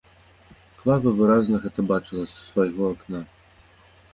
Клава выразна гэта бачыла з свайго акна.